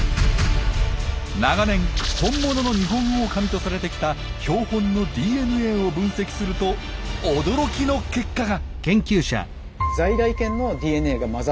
長年本物のニホンオオカミとされてきた標本のＤＮＡを分析すると驚きの結果が！